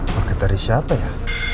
paket dari siapa ya